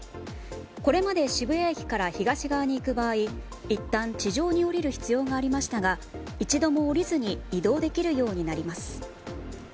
これまで渋谷駅から東側に行く場合、いったん地上に下りる必要がありましたが一度も下りずに移動できるようになります。